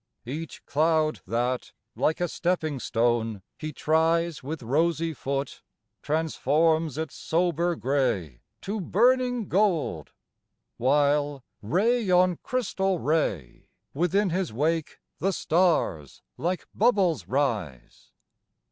Each cloud that, like a stepping stone, he tries With rosy foot, transforms its sober gray To burning gold; while, ray on crystal ray, Within his wake the stars like bubbles rise.